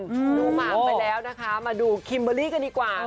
ดูหมากไปแล้วนะคะมาดูคิมเบอร์รี่กันดีกว่า